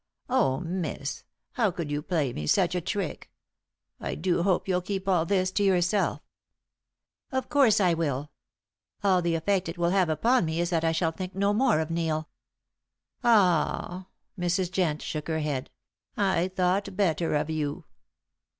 Oh, miss, how could you play me such a trick? I do hope you'll keep all this to yourself." "Of course I will. All the effect it will have upon me is that I shall think no more of Neil." "Ah!" Mrs. Jent shook her head. "I thought I better of you."